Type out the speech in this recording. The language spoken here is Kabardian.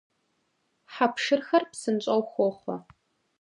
Хьэ пшырхэр псынщӀэу хохъуэ.